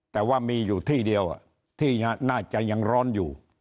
แต่ว่ามีอยู่ที่เดียวที่น่าจะยังร้อนอยู่